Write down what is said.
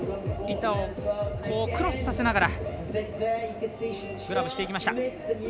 板をクロスさせながらグラブしていきました。